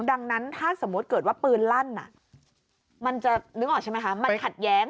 ดังนั้นถ้าสมมุติเกิดว่าปืนลั่นมันจะนึกออกใช่ไหมคะมันขัดแย้ง